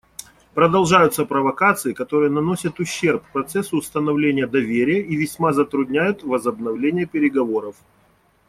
Продолжаются провокации, которые наносят ущерб процессу установления доверия и весьма затрудняют возобновление переговоров.